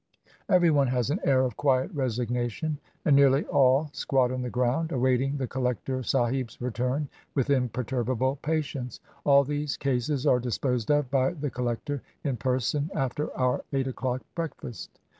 Every one has an air of quiet resignation, and nearly all squat on the ground, awaiting the collector sahib's return with imperturbable patience. All these cases are disposed of by the collector in person after our eight o'clock breakfast.